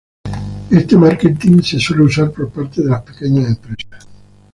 Este marketing se suele usar por parte de pequeñas empresas.